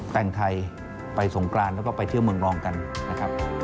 แต่งไทยไปสงกรานแล้วก็ไปเที่ยวเมืองรองกันนะครับ